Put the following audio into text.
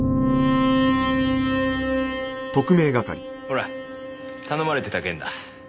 ほら頼まれてた件だ。